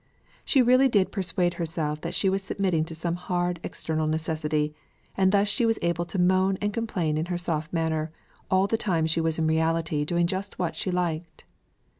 She really did persuade herself that she was submitting to some hard external necessity; and thus she was able to moan and complain in her soft manner, all the time she was in reality doing just what she liked.